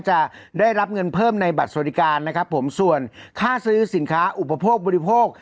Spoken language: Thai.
จะได้รับเงินเพิ่มในบัตรสวัสดิการนะครับผมส่วนค่าซื้อสินค้าอุปโภคบริโภค